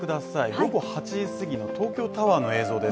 午後８時過ぎの東京タワーの映像です